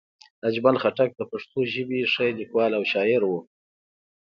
اجمل خټک د پښتو ژبې ښه لیکوال او شاعر وو